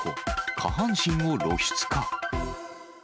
下半身を露出か。